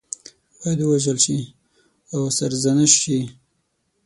باید ووژل شي او سرزنش شي.